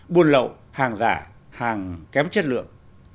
buôn lậu hàng giả hàng kém chất lượng